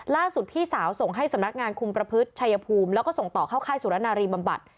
พี่สาวส่งให้สำนักงานคุมประพฤติชัยภูมิแล้วก็ส่งต่อเข้าค่ายสุรนารีบำบัด